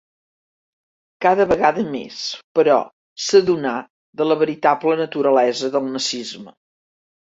Cada vegada més, però, s'adonà de la veritable naturalesa del nazisme.